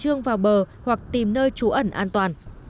hà nội hà nội hà nội hà nội hà nội